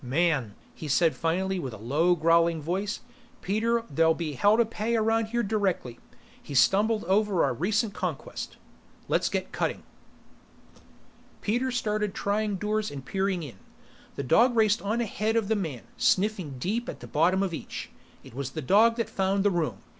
"Man," he said finally with a low growling voice. "Peter, there'll be hell to pay around here directly. He's stumbled over our recent conquest." "Let's get cutting!" Peter started trying doors and peering in; the dog raced on ahead of the man, sniffing deep at the bottom of each. It was the dog that found the room.